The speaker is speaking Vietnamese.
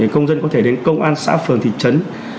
công dân có thể đến công an xã phường thị trấn